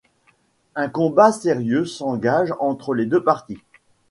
Un combat sérieux s'engage entre les deux parties.